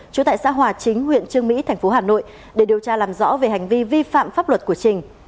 trú tại xã hòa chính huyện trương mỹ thành phố hà nội để điều tra làm rõ về hành vi vi phạm pháp luật của trình